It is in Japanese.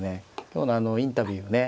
今日のあのインタビューをね